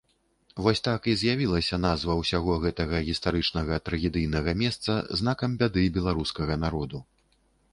Вось так і з'явілася назва ўсяго гэтага гістарычнага трагедыйнага месца, знакам бяды беларускага народу.